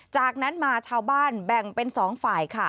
จากนั้นมาชาวบ้านแบ่งเป็น๒ฝ่ายค่ะ